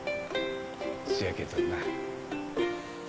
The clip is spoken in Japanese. せやけどな。